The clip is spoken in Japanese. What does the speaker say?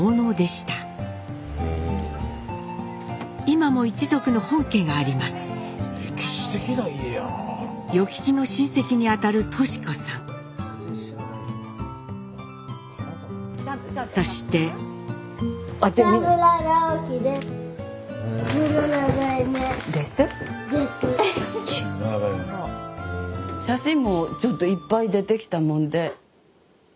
写真もちょっといっぱい出てきたもんで。